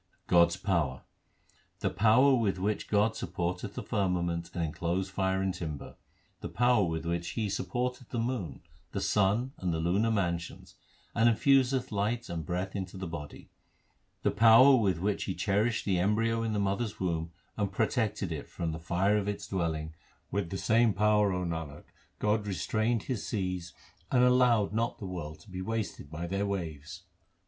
God s power : The power with which God supported the firmament, and enclosed fire in timber ; The power with which He supported the moon, the sun, and the lunar mansions, and infused light and breath into the body ; The power with which He cherished the embryo in the mother s womb and protected it from the fire of its dwelling SIKH, lit F f 434 THE SIKH RELIGION With the same power, O Nanak, God restrained His seas and allowed not the world to be wasted by their waves.